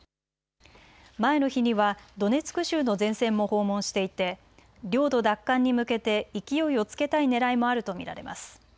前の日にはドネツク州の前線も訪問していて領土の奪還に向けて勢いをつけたいねらいもあると見られます。